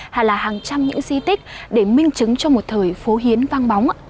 hay là hàng trăm những di tích để minh chứng cho một thời phố hiến vang bóng